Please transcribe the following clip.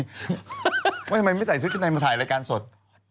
ทำไมไม่ใส่ชุดชั้นในมาถ่ายรายการสด